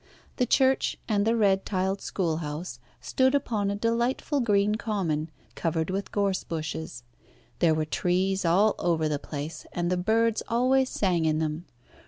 The church and the red tiled schoolhouse stood upon a delightful green common, covered with gorse bushes. There were trees all over the place, and the birds always sang in them.